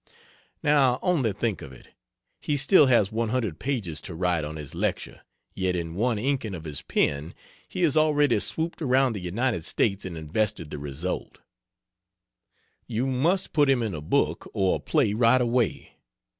Now only think of it! He still has 100 pages to write on his lecture, yet in one inking of his pen he has already swooped around the United States and invested the result! You must put him in a book or a play right away.